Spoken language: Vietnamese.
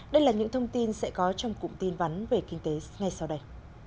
đây là những thông tin sẽ có trong cụm tin vắn về kinh tế ngay sau đây